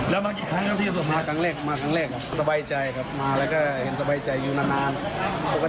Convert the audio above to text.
แล้วอันนี้มาอยู่นี่เฉียบ๑๒ทะวัน